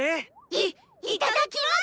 いいただきます！